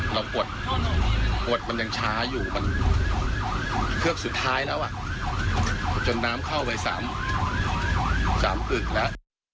เราปวดปวดมันยังช้าอยู่เครือกสุดท้ายแล้วจนน้ำเข้าไป๓อึกแล้ว